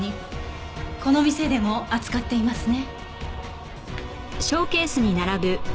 この店でも扱っていますね。